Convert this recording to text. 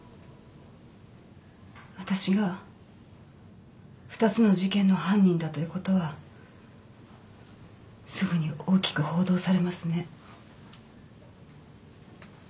私が２つの事件の犯人だという事はすぐに大きく報道されますね。